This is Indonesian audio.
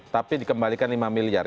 tapi dikembalikan lima miliar